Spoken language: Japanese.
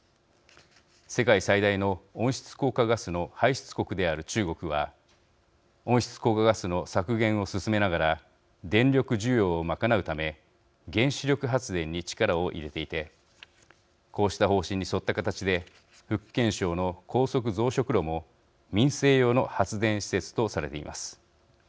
世界最大の、温室効果ガスの排出国である中国は温室効果ガスの削減を進めながら電力需要を賄うため原子力発電に力を入れていてこうした方針に沿った形で福建省の高速増殖炉も民生用の発電施設とされています。